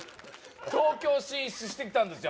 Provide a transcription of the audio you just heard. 東京進出してきたんですよ